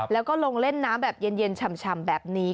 แล้วก็ลงเล่นน้ำแบบเย็นฉ่ำแบบนี้